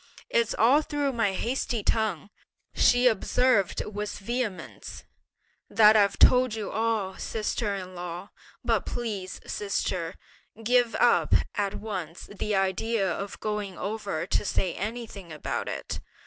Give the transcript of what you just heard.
"It's all through my hasty tongue," she observed with vehemence, "that I've told you all, sister in law: but please, sister, give up at once the idea of going over to say anything about it!